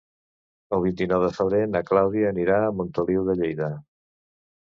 El vint-i-nou de febrer na Clàudia anirà a Montoliu de Lleida.